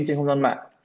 trên hôn doan mạng